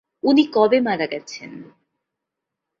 উনি কবে মারা গেছেন?